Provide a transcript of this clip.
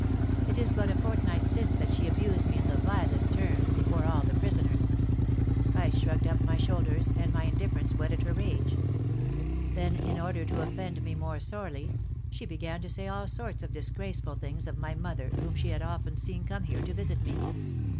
It is but a fortnight since that she abused me in the vilest terms before all the prisoners. I shrugged up my shoulders, and my indifference whetted her rage. Then, in order to offend me more sorely, she began to say all sorts of disgraceful things of my mother, whom she had often seen come here to visit me."